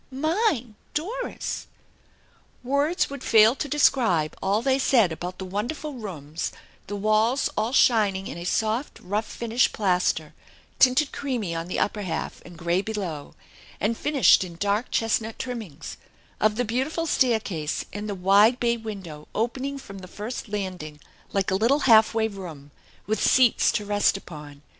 Mine! Doris !" Words would fail to describe all they said about the won derful rooms, the walla all shining in a soft rough finish plaster, tinted creamy on the upper half and gray below, and finished in dark chestnut trimmings; of the beautiful stair case and the wide bay window opening from the first landing like a little half way room, with seats to rest upon.